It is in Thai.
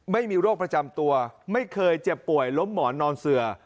ไม่มีโรคประจำตัวไม่เคยเจ็บป่วยล้มหมอนนอนเสือ